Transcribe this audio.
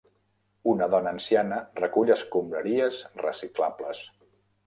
Una dona anciana recull escombraries reciclables.